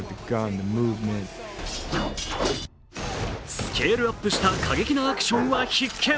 スケールアップした過激なアクションは必見。